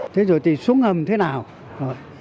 thế rồi thì xuống hầm thế nào